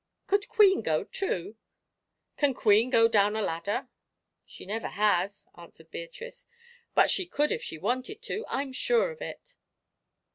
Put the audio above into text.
"Could Queen go, too?" "Can Queen go down a ladder?" "She never has," answered Beatrice; "but she could if she wanted to I'm sure of it."